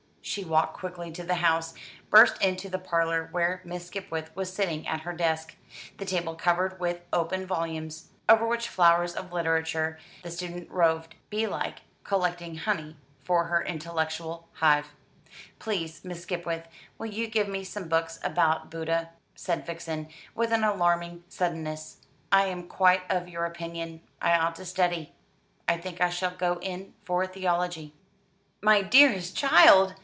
She walked quickly to the house, burst into the parlour, where Miss Skipwith was sitting at her desk, the table covered with open volumes, over which flowers of literature the student roved, beelike, collecting honey for her intellectual hive. "Please, Miss Skipwith, will you give me some books about Buddha?" said Vixen, with an alarming suddenness. "I am quite of your opinion: I ought to study. I think I shall go in for theology." "My dearest child!"